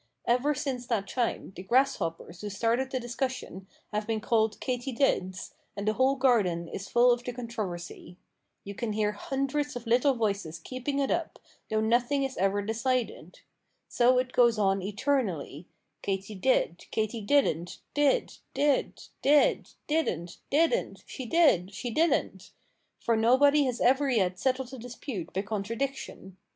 Ever since that time the grasshoppers who started the discussion have been called katydids, and the whole garden is full of the controversy. You can hear hundreds of little voices keeping it up, though nothing is ever decided. So it goes on eternally, Katy did Katy didn't, did, did, did, didn't, didn't, she did, she didn't for nobody has ever yet settled a dispute by contradiction.